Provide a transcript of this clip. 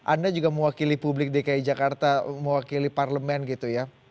anda juga mewakili publik dki jakarta mewakili parlemen gitu ya